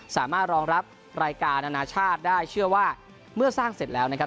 สามารถรองรับรายการอนาชาติได้เชื่อว่าเมื่อสร้างเสร็จแล้วนะครับ